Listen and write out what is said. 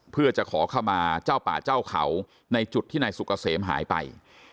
เพื่อจะขอเข้ามาเจ้าป่าเจ้าเขาในจุดที่นายสุกเกษมหายไป